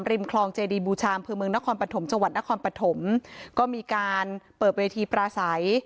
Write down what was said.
ริมคลองเจดีบูชามภูมิเมืองนครปฐมจวัตนครปฐมก็มีการเปิดเวทีปราศัย